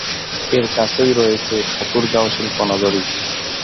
এর কাছেই রয়েছে ঠাকুরগাঁও শিল্প নগরী।